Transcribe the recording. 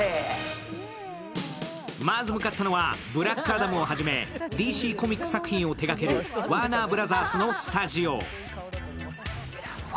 まず向かったのは、「ブラックアダム」をはじめＤＣコミック作品を手がけるワーナーブラザースのスタジオ。